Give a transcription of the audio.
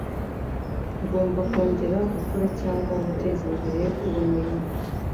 ngomba kongera gukora cyangwa guteza imbere ubumenyi